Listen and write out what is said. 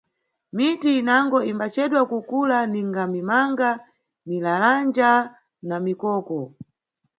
Miti inango imbacedwa kukula, ninga mimanga, milalanja na mikoko.